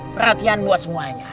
perhatian buat semuanya